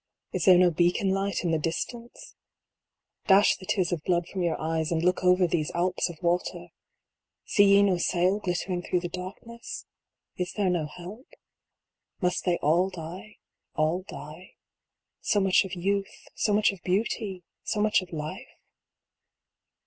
Is there no beacon light in the distance ? THE SHIP THAT WENT DOWN. 39 Dash the tears of blood from your eyes, and look over these Alps of water 1 See ye no sail glittering through the darkness ? Is there no help ? Must they all die, all die ? So much of Youth, so much of Beauty, so much of Life